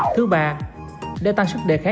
thứ ba để tăng sức đề khái